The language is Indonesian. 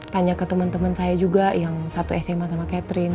tanya ke teman teman saya juga yang satu sma sama catherine